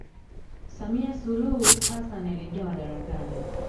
Samia suluhu Hasasn aliingia madarakani